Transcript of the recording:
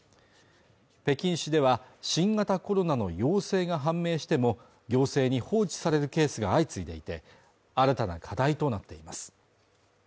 北京市では新型コロナの陽性が判明しても行政に放置されるケースが相次いでいて新たな課題となっています